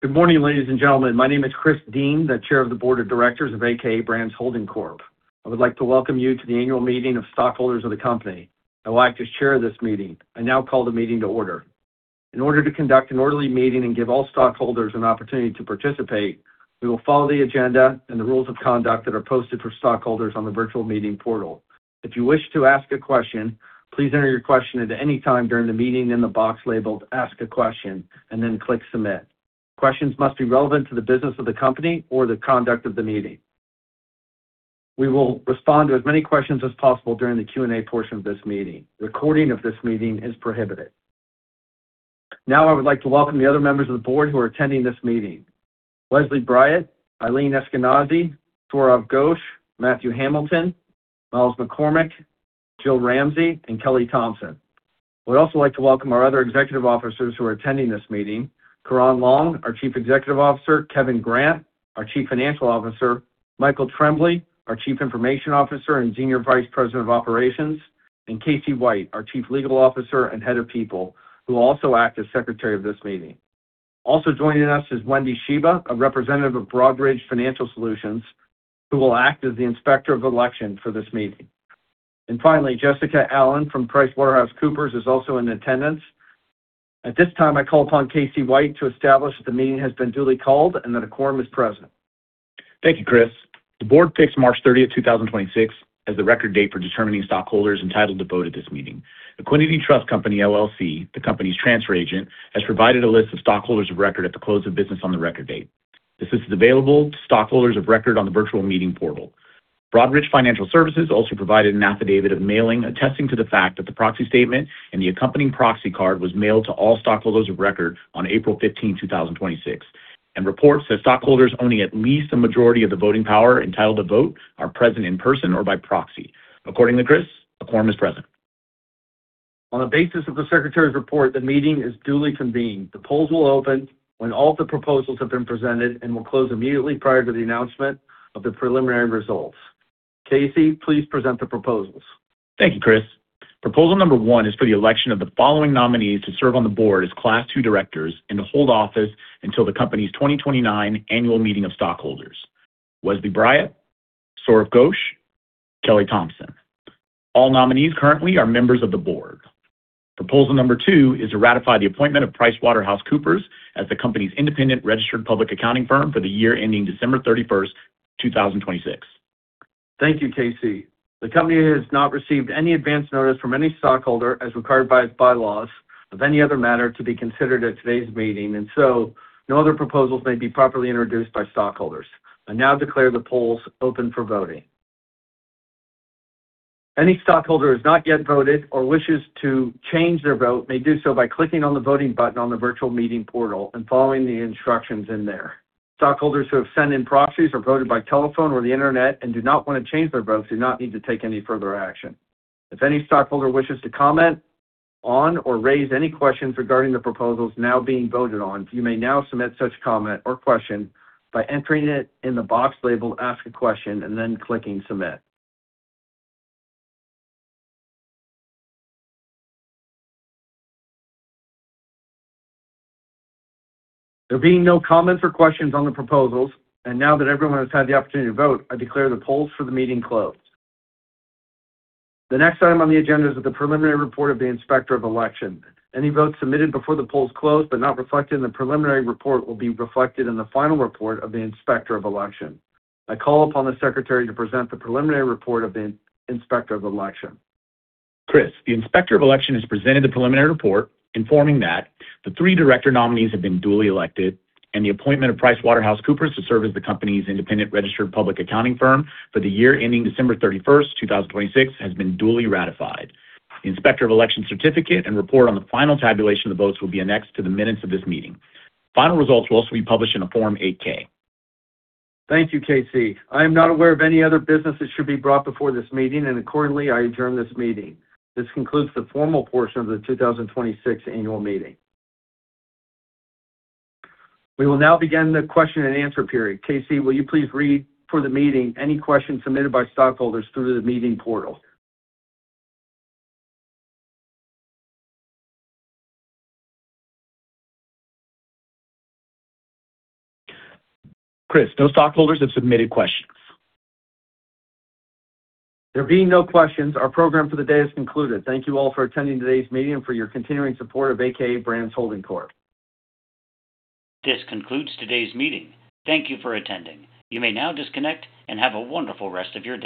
Good morning, ladies and gentlemen. My name is Chris Dean, the Chair of the Board of Directors of a.k.a. Brands Holding Corp. I would like to welcome you to the annual meeting of stockholders of the company. I will act as Chair of this meeting. I now call the meeting to order. In order to conduct an orderly meeting and give all stockholders an opportunity to participate, we will follow the agenda and the rules of conduct that are posted for stockholders on the virtual meeting portal. If you wish to ask a question, please enter your question at any time during the meeting in the box labeled Ask a Question and then click Submit. Questions must be relevant to the business of the company or the conduct of the meeting. We will respond to as many questions as possible during the Q&A portion of this meeting. The recording of this meeting is prohibited. Now I would like to welcome the other members of the board who are attending this meeting. Wesley Bryett, Ilene Eskenazi, Sourav Ghosh, Matthew Hamilton, Myles McCormick, Jill Ramsey, and Kelly Thompson. I would also like to welcome our other executive officers who are attending this meeting. Ciaran Long, our Chief Executive Officer, Kevin Grant, our Chief Financial Officer, Michael Trembley, our Chief Information Officer and Senior Vice President of Operations, and K.C. White, our Chief Legal Officer and Head of People, who will also act as Secretary of this meeting. Also joining us is Wendy Shiba, a representative of Broadridge Financial Solutions, who will act as the Inspector of Election for this meeting. Finally, Jessica Allen from PricewaterhouseCoopers is also in attendance. At this time, I call upon K.C. White. White to establish that the meeting has been duly called and that a quorum is present. Thank you, Chris. The board picks March 30th, 2026, as the record date for determining stockholders entitled to vote at this meeting. Equiniti Trust Company LLC, the company's transfer agent, has provided a list of stockholders of record at the close of business on the record date. This list is available to stockholders of record on the virtual meeting portal. Broadridge Financial Solutions also provided an affidavit of mailing attesting to the fact that the proxy statement and the accompanying proxy card was mailed to all stockholders of record on April 15, 2026, and reports that stockholders owning at least a majority of the voting power entitled to vote are present in person or by proxy. Accordingly, Chris, a quorum is present. On the basis of the Secretary's report, the meeting is duly convened. The polls will open when all the proposals have been presented and will close immediately prior to the announcement of the preliminary results. K.C., please present the proposals. Thank you, Chris. Proposal number one is for the election of the following nominees to serve on the board as Class II directors and to hold office until the company's 2029 annual meeting of stockholders. Wesley Bryett, Sourav Ghosh, Kelly Thompson. All nominees currently are members of the board. Proposal number two is to ratify the appointment of PricewaterhouseCoopers as the company's independent registered public accounting firm for the year ending December 31st, 2026. Thank you, K.C. The company has not received any advance notice from any stockholder, as required by its bylaws, of any other matter to be considered at today's meeting. No other proposals may be properly introduced by stockholders. I now declare the polls open for voting. Any stockholder who has not yet voted or wishes to change their vote may do so by clicking on the voting button on the virtual meeting portal and following the instructions in there. Stockholders who have sent in proxies or voted by telephone or the internet and do not want to change their votes do not need to take any further action. If any stockholder wishes to comment on or raise any questions regarding the proposals now being voted on, you may now submit such comment or question by entering it in the box labeled Ask a Question and then clicking Submit. There being no comments or questions on the proposals, and now that everyone has had the opportunity to vote, I declare the polls for the meeting closed. The next item on the agenda is the preliminary report of the Inspector of Election. Any votes submitted before the polls close but not reflected in the preliminary report will be reflected in the final report of the Inspector of Election. I call upon the Secretary to present the preliminary report of the Inspector of Election. Chris, the Inspector of Election has presented the preliminary report informing that the three director nominees have been duly elected and the appointment of PricewaterhouseCoopers to serve as the company's independent registered public accounting firm for the year ending December 31st, 2026, has been duly ratified. The Inspector of Election certificate and report on the final tabulation of the votes will be annexed to the minutes of this meeting. Final results will also be published in a Form 8-K. Thank you, K.C. I am not aware of any other business that should be brought before this meeting, and accordingly, I adjourn this meeting. This concludes the formal portion of the 2026 annual meeting. We will now begin the question and answer period. K.C., will you please read for the meeting any questions submitted by stockholders through the meeting portal? Chris, no stockholders have submitted questions. There being no questions, our program for the day is concluded. Thank you all for attending today's meeting and for your continuing support of a.k.a. Brands Holding Corp. This concludes today's meeting. Thank you for attending. You may now disconnect and have a wonderful rest of your day.